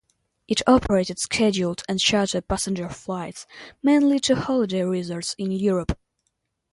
It operated scheduled and charter passenger flights, mainly to holiday resorts in Europe.